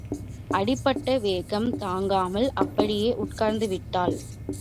அடிப்பட்ட வேகம் தாங்காமல், அப்படியே உட்கார்ந்துவிட்டாள்.